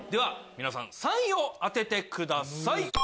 皆さん３位を当ててください。